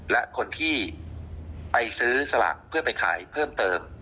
และคนที่ไปซื้อสลากเพื่อไปขายเพิ่มเติม